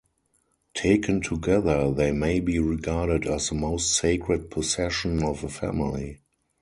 Taken together, they may be regarded as the most sacred possession of a family.